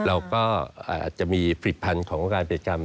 เราก็จะมีฝิดพันธุ์ของวิจัยกรรม